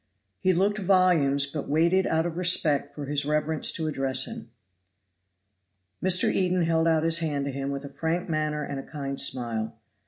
He looked volumes but waited out of respect for his reverence to address him. Mr. Eden held out his hand to him with a frank manner and kind smile.